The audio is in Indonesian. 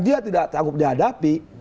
dia tidak takut dihadapi